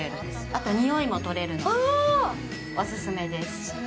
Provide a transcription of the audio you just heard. あとにおいも取れるので、お勧めです。